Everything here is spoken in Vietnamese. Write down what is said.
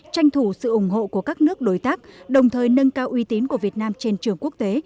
tranh thủ sự ủng hộ của các nước đối tác đồng thời nâng cao uy tín của việt nam trên trường quốc tế